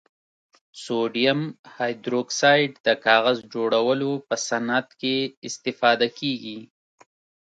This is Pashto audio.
سوډیم هایدروکسایډ د کاغذ جوړولو په صنعت کې استفاده کیږي.